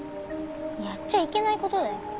やっちゃいけない事だよ。